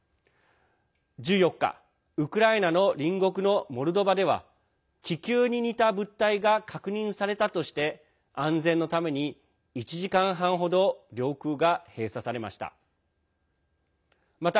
１４日ウクライナの隣国のモルドバでは気球に似た物体が確認されたとして安全のために１時間半程領空が閉鎖されました。